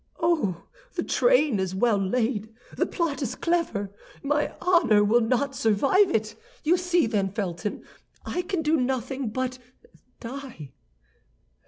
Oh, the train is well laid; the plot is clever. My honor will not survive it! You see, then, Felton, I can do nothing but die.